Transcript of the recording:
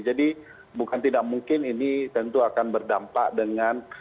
jadi bukan tidak mungkin ini tentu akan berdampak dengan